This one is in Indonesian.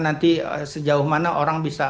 nanti sejauh mana orang bisa